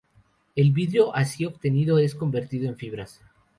El vidrio así obtenido es convertido en fibras.